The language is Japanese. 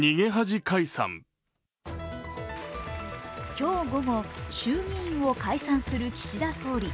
今日午後、衆議院を解散する岸田総理。